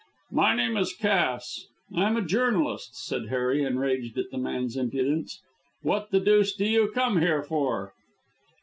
"My name is Cass. I am a journalist," said Harry, enraged at the man's impudence. "What the deuce do you come here for?"